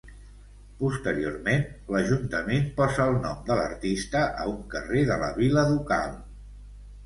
Posteriorment, l'Ajuntament posa el nom de l'artista a un carrer de la vila ducal.